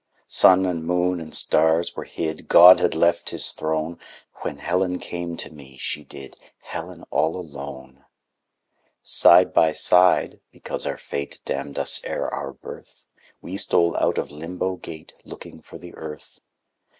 Sun and moon and stars were hid, God had left His Throne, When Helen came to me, she did, Helen all alone! Side by side (because our fate Damned us ere our birth) We stole out of Limbo Gate Looking for the Earth.